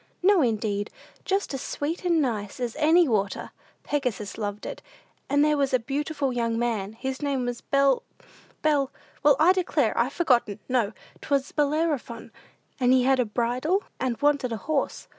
"No, indeed; just as sweet and nice as any water. Pegasus loved it; and there was a beautiful young man, his name was Bel Bel well, I declare, I've forgotten, no, 'twas Bellerophon; and he had a bridle, and wanted a horse.